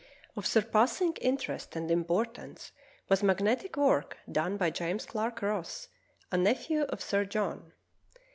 Of surpassing interest and importance was the mag netic work done by James Clark Ross, a nephew of Sir John.